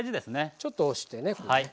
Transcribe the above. ちょっと押してねこれ。